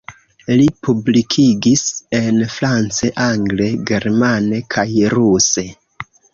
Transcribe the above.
Li publikigis en france, angle, germane kaj ruse.